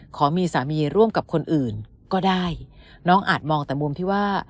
ขอมีสามีร่วมกับคนอื่นก็ได้น้องอาจมองแต่มุมที่ว่า